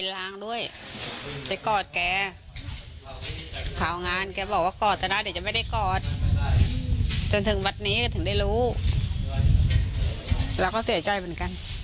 เราก็เสียใจเหมือนกัน